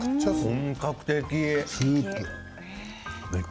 本格的。